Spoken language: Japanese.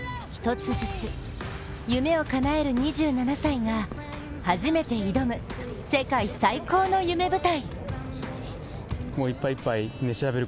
一つずつ夢をかなえる２７歳が初めて挑む世界最高の夢舞台。